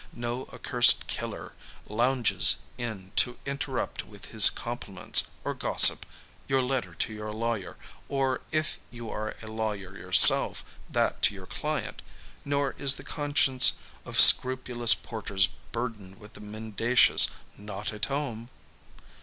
No accursed idler lounges in to interrupt with his compliments, or gossip, your letter to your lawyer, or, if you are a lawyer yourself, that to your client; nor is the conscience of scrupulous porters burdened with the mendacious "not at home."